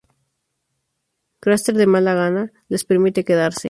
Craster, de mala gana les permite quedarse.